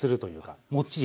あもっちり。